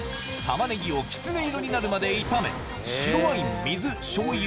タマネギをキツネ色になるまで炒め白ワイン水しょうゆ